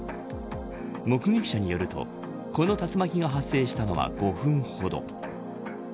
目撃者によるとこの竜巻が発生したのは５分ほど。